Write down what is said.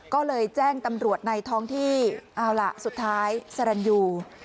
ก็เลยแจ้งตำรวจในท้องที่เอาล่ะสุดท้ายสรรยู